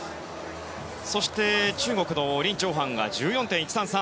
そして中国のリン・チョウハンが１４．１３３。